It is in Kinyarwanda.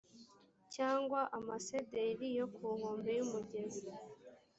cyangwa amasederi yo ku nkombe y’umugezi.